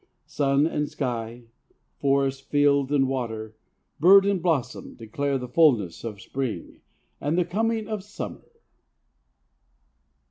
Sun and sky, forest, field, and water, bird and blossom, declare the fullness of spring and the coming of summer.